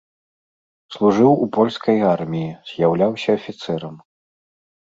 Служыў у польскай арміі, з'яўляўся афіцэрам.